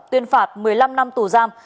tuyên phạt một mươi năm năm tù giam